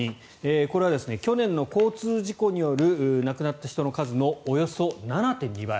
これは去年の交通事故による亡くなった人の数のおよそ７．２倍。